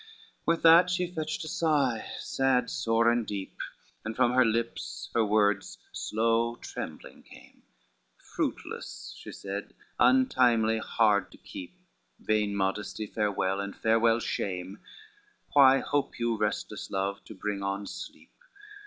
XCI With that she fetched a sigh, sad, sore and deep, And from her lips her words slow trembling came, "Fruitless," she said, "untimely, hard to keep, Vain modesty farewell, and farewell shame, Why hope you restless love to bring on sleep?